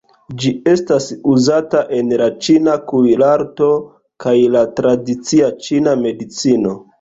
Ĝi estas uzata en la ĉina kuirarto kaj la tradicia ĉina medicino.